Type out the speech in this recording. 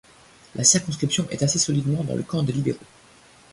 La circonscription est assez solidement dans le camp des libéraux.